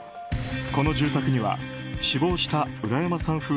この住宅には死亡した浦山さん